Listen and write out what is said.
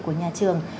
của nhà trường